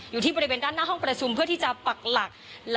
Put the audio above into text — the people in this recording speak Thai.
อยู่ที่บริเวณด้านหน้าห้องประชุมเพื่อที่จะปักหลักแล้วก็รอติดตามความคืบหน้าคดี